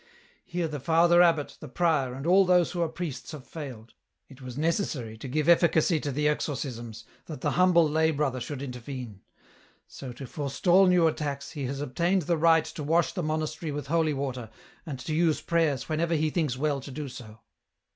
Here, the father abbot, the prior, and all those who are priests have failed ; it was necessary, to give efficacy to the exorcisms, that the humble lay brother should intervene ; so, to forestall new attacks, he has obtained the right to wash the monastery with holy water and to use prayers whenever he thinks well to do so.